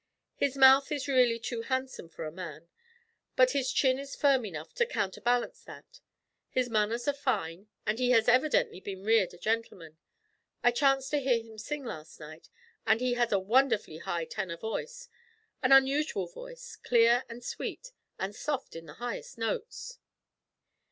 His mouth is really too handsome for a man, but his chin is firm enough to counterbalance that. His manners are fine, and he has evidently been reared a gentleman. I chanced to hear him sing last night, and he has a wonderfully high tenor voice an unusual voice; clear and sweet, and soft in the highest notes.'